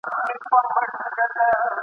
د خوښیو د مستیو ږغ له غرونو را غبرګیږي !.